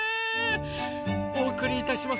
おおくりいたします